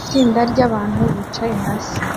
Itsinda ryabantu bicaye hasi